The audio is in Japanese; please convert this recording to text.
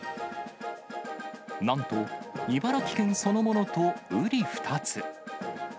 なんと、茨城県そのものとうり二つ。